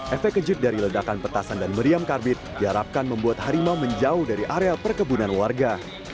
efek kejib dari ledakan petasan dan meriam karbit diharapkan membuat harimau menjauh dari area perkebunan warga